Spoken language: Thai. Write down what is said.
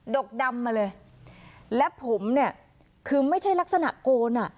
กดำมาเลยและผมเนี่ยคือไม่ใช่ลักษณะโกนอ่ะ